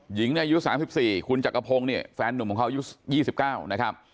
หญิงอายุ๓๔คุณจักรพงศ์เนี่ยแฟนหนุ่มของเขาอายุ๒๙นะครับ